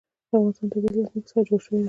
د افغانستان طبیعت له ځمکه څخه جوړ شوی دی.